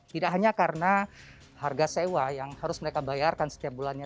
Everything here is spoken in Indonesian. tidak hanya karena harga sewa yang harus mereka bayarkan setiap bulannya